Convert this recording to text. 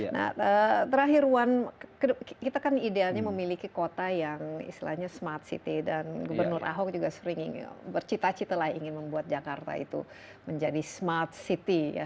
nah terakhir wan kita kan idealnya memiliki kota yang istilahnya smart city dan gubernur ahok juga sering bercita cita lah ingin membuat jakarta itu menjadi smart city ya